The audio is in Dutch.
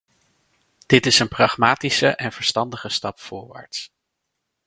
Dit is een pragmatische en verstandige stap voorwaarts.